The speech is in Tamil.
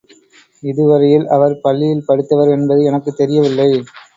இதுவரையில் அவர் பள்ளியில் படித்தவர் என்பது எனக்குத் தெரியவில்லை.